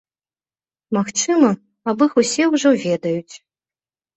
Магчыма, аб іх усе ўжо ведаюць.